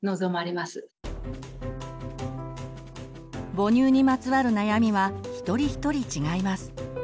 母乳にまつわる悩みは一人一人違います。